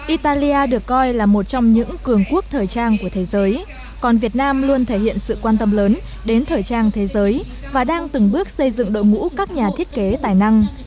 italia được coi là một trong những cường quốc thời trang của thế giới còn việt nam luôn thể hiện sự quan tâm lớn đến thời trang thế giới và đang từng bước xây dựng đội ngũ các nhà thiết kế tài năng